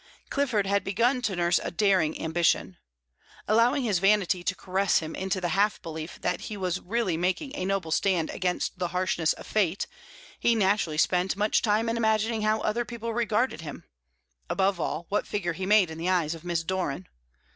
Clifford had begun to nurse a daring ambition. Allowing his vanity to caress him into the half belief that he was really making a noble stand against the harshness of fate, he naturally spent much time in imagining how other people regarded him above all, what figure he made in the eyes of Miss Doran.